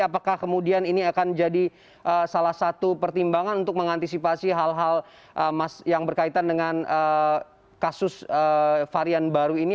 apakah kemudian ini akan jadi salah satu pertimbangan untuk mengantisipasi hal hal yang berkaitan dengan kasus varian baru ini